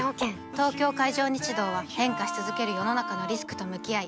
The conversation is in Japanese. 東京海上日動は変化し続ける世の中のリスクと向き合い